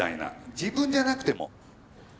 自分じゃなくても。